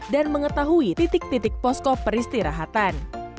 dan mengetahui titik titik posko peristi rahatan